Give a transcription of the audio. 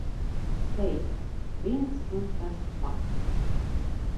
Teica - viens un tas pats.